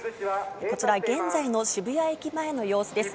こちら、現在の渋谷駅前の様子です。